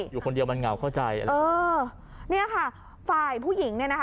อยู่คนเดียวมันเหงาเข้าใจอะไรเออเนี่ยค่ะฝ่ายผู้หญิงเนี่ยนะคะ